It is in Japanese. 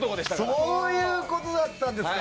そういうことだったんですか。